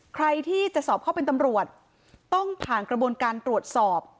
ใครที่จะสอบเข้าเป็นตำรวจต้องผ่านกระบวนการตรวจสอบ